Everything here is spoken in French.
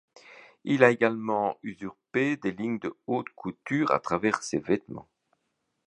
Il a également usurpé des lignes de haute couture à travers ses vêtements.